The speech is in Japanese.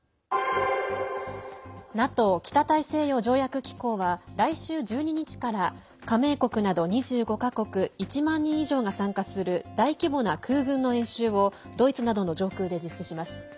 ＮＡＴＯ＝北大西洋条約機構は来週１２日から加盟国など２５か国１万人以上が参加する大規模な空軍の演習をドイツなどの上空で実施します。